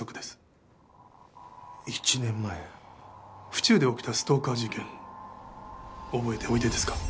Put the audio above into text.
府中で起きたストーカー事件覚えておいでですか？